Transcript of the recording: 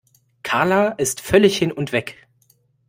Karla ist völlig hin und weg.